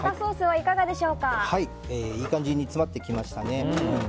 いい感じに煮詰まってきましたね。